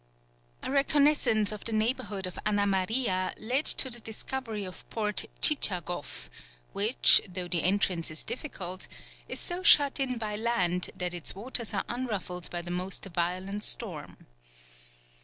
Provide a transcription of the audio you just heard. A reconnaissance of the neighbourhood of Anna Maria led to the discovery of Port Tchitchagoff, which, though the entrance is difficult, is so shut in by land that its waters are unruffled by the most violent storm.